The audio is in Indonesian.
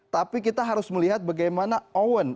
tapi kita harus melihat bagaimana owen